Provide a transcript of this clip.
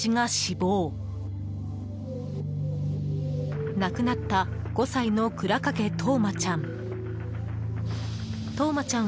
亡くなった、５歳の倉掛冬生ちゃん。